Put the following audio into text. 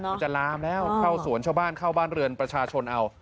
มันจะลามแล้วเข้าสวนชาวบ้านเข้าบ้านเรือนประชาชนเอา